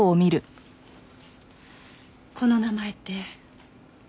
この名前って。